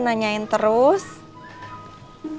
siapa sih eigenlijk scarinya ini